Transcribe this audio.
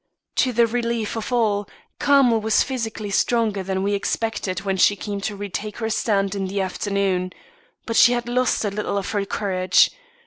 To the relief of all, Carmel was physically stronger than we expected when she came to retake the stand in the afternoon. But she had lost a little of her courage.